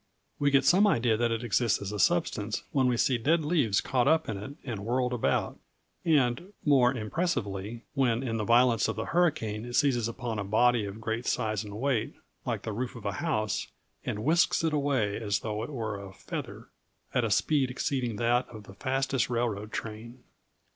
We get some idea that it exists as a substance when we see dead leaves caught up in it and whirled about; and, more impressively, when in the violence of the hurricane it seizes upon a body of great size and weight, like the roof of a house, and whisks it away as though it were a feather, at a speed exceeding that of the fastest railroad train.